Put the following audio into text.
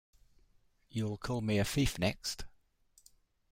You'll call me a thief next!